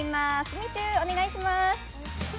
みちゅお願いします！